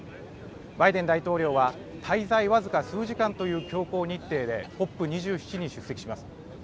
バイデン大統領は滞在僅か数時間という強行日程でＣＯＰ２７に出席します。